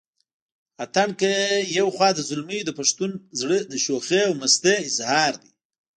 اتڼ که يو خوا د زلميو دپښتون زړه دشوخۍ او مستۍ اظهار دے